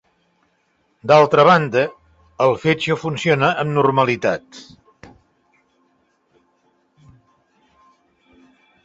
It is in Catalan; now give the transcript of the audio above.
D'altra banda, el fetge funciona amb normalitat.